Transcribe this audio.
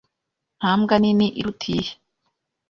Nta mbwa nini iruta iyi.